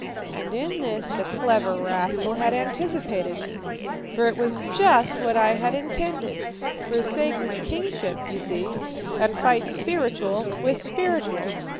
And in this the clever rascal had anticipated me, for it was just what I had intended forsake my kingship, you see, and fight spiritual with spiritual.